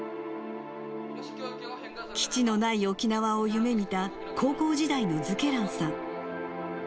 基地のない沖縄を夢みた高校時代の瑞慶覧さん。